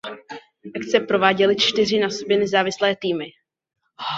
Akce prováděly čtyři na sobě nezávislé týmy.